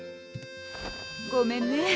ごめんね。